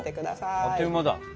あっという間だ。